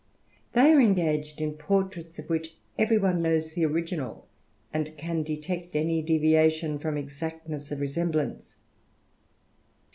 They are engaged in portraits of which every one knows the original, and can detect any deviation from exactness of resemblance.